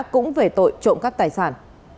cũng về tội trộm cắp tài sản